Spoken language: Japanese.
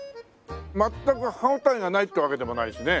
全く歯応えがないってわけでもないしね。